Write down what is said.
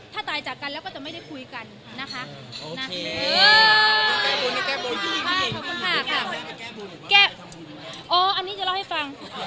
คุยกันแล้วก็จะไม่ได้คุยกันนะคะ